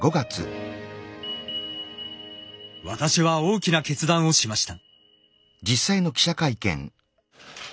私は大きな決断をしました。